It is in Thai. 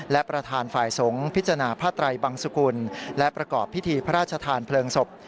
และประธานฝ่ายสงฆ์พิจารณาผ้าไตรบังสุกุลและประกอบพิธีพระราชทานเพลิงศพ